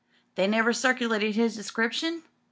"They never circulated his description?"